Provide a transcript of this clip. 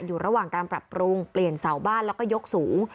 อยู่ระหว่างการปรับปรุงเปลี่ยนเสาบ้านแล้วก็ยกสูง